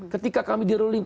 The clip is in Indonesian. ketika kami diroling